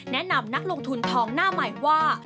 แนะนำนักลงทุนทองหน้าใหม่ว่า